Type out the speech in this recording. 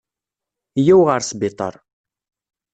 Yya-w ɣer sbiṭar.